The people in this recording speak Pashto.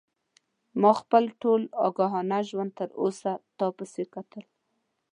ما خپل ټول آګاهانه ژوند تر اوسه تا پسې کتل.